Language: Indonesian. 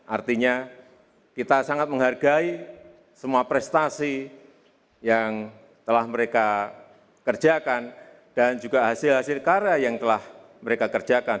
artinya kita sangat menghargai semua prestasi yang telah mereka kerjakan dan juga hasil hasil karya yang telah mereka kerjakan